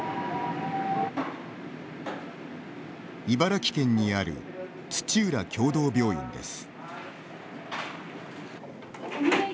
茨城県にある土浦協同病院です。